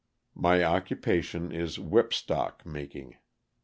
My occupation is whip stock making.